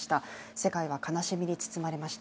世界は悲しみに包まれました。